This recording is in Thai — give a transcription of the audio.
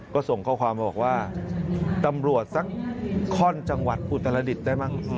ก็ส่งข้อความมาบอกว่าตำรวจสักข้อนจังหวัดอุตรดิษฐ์ได้มั้ง